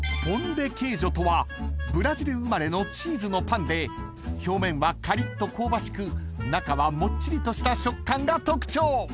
［ポンデケージョとはブラジル生まれのチーズのパンで表面はカリッと香ばしく中はもっちりとした食感が特徴］